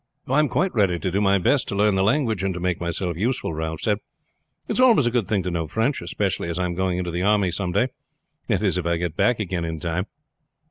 "I am quite ready to do my best to learn the language and to make myself useful," Ralph said. "It is always a good thing to know French, especially as I am going into the army some day; that is if I get back again in time."